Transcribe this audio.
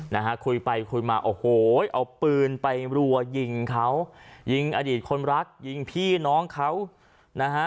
นะฮะคุยไปคุยมาโอ้โหเอาปืนไปรัวยิงเขายิงอดีตคนรักยิงพี่น้องเขานะฮะ